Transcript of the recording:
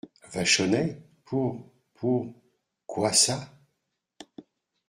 Vachonnet Pour … pour … quoi ça ?